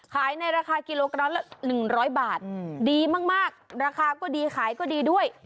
ขายในราคากิโลกรัมละ๑๐๐บาทดีมากราคาก็ดีขายก็ดีด้วย